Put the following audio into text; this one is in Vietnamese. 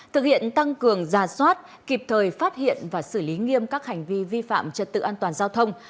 thực hiện tăng cường giả soát kịp thời phát hiện và xử lý nghiêm các hành vi vi phạm trật tự an toàn giao thông